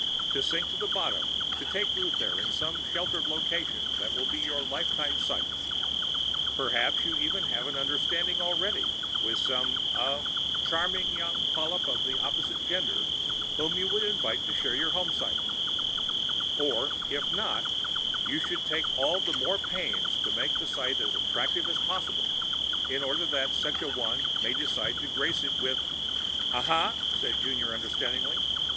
to sink to the bottom, to take root there in some sheltered location which will be your lifetime site. Perhaps you even have an understanding already with some ... ah ... charming young polyp of the opposite gender, whom you would invite to share your homesite. Or, if not, you should take all the more pains to make that site as attractive as possible, in order that such a one may decide to grace it with " "Uh huh," said Junior understandingly.